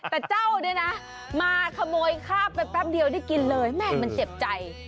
แต่เจ้าเนี่ยนะมาขโมยข้าวไปแป๊บเดียวได้กินเลยแม่งมันเจ็บใจ